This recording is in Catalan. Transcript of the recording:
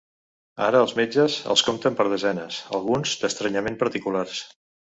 Ara els metges els compten per desenes, alguns d’estranyament particulars.